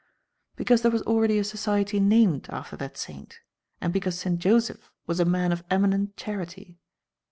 "Because there was already a society named after that saint, and because Saint Joseph was a man of eminent charity.